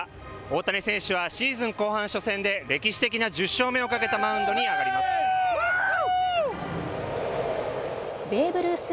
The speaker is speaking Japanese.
大谷選手はシーズン後半初戦で歴史的な１０勝目をかけたマウンドに上がります。